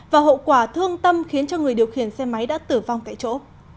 và hậu quả thương tâm khiến cho người điều khiển xe máy đã tử vong tại chỗ